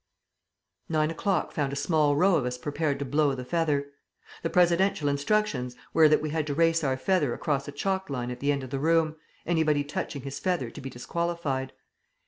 Nine o'clock found a small row of us prepared to blow the feather. The presidential instructions were that we had to race our feather across a chalk line at the end of the room, anybody touching his feather to be disqualified.